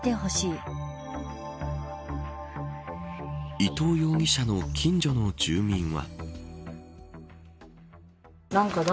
伊藤容疑者の近所の住民は。